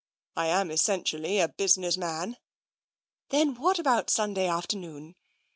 " I am essentially a business man." "Then what about Sunday afternoon?